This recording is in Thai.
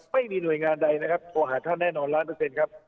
ไม่มีหน่วยงานใดนะครับโทรหาท่านแน่นอนล้านเปอร์เซ็นต์ครับ